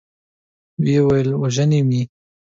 ويې ويل: وژني مې؟